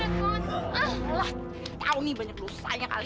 alah tau nih banyak lo sayang kali